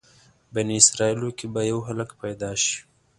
بني اسرایلو کې به یو هلک پیدا شي.